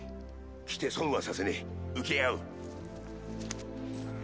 来て損はさせねえ請け合う！